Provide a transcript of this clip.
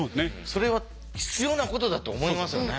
それは必要なことだと思いますよね。